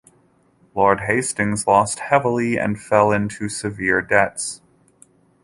Lord Hastings lost heavily and fell into severe debts.